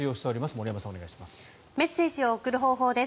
森山さん、お願いします。